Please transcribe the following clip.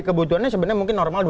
kebutuhannya sebenarnya mungkin normal